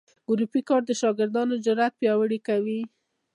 ګروپي کار د شاګردانو جرات پیاوړي کوي.